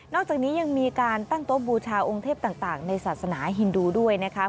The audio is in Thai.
อกจากนี้ยังมีการตั้งโต๊ะบูชาองค์เทพต่างในศาสนาฮินดูด้วยนะคะ